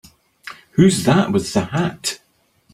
Who's that with the hat?